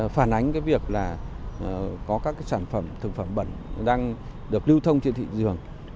phản ánh cái việc là có các sản phẩm thực phẩm bẩn đang được lưu thông trên thị trường